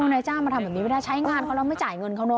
นายจ้างมาทำแบบนี้ไม่ได้ใช้งานเขาแล้วไม่จ่ายเงินเขาเนอ